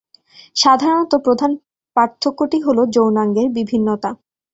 সাধারণত প্রধান পার্থক্যটি হল যৌনাঙ্গের বিভিন্নতা।